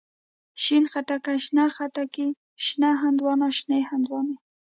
شين خټکی، شنه خټکي، شنه هندواڼه، شنې هندواڼی.